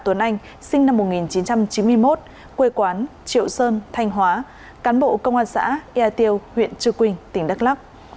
truy thăng cấp bậc hàm từ đại úy đối với đồng chí nguyễn đăng nhân sinh năm một nghìn chín trăm chín mươi một quê quán triệu sơn thành hóa cán bộ công an xã yà tiêu huyện trư quynh tỉnh đắk lắk